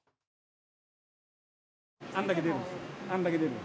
あれだけ出るの。